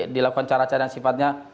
dilakukan cara cara yang sifatnya